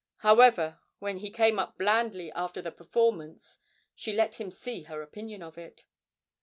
However, when he came up blandly after the performance she let him see her opinion of it.